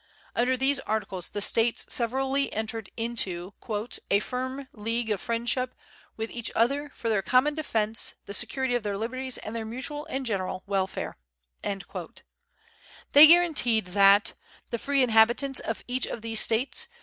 Under these Articles, the States severally entered into "a firm league of friendship with each other for their common defense, the security of their liberties and their mutual and general welfare." They guaranteed that "the free inhabitants of each of these States